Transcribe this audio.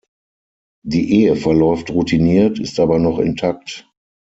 Die Ehe verläuft routiniert, ist aber noch intakt.